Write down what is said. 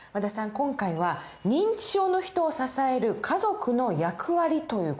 今回は認知症の人を支える家族の役割という事ですね。